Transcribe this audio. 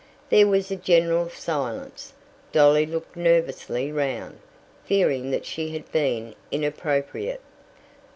There was a general silence. Dolly looked nervously round, fearing that she had been inappropriate.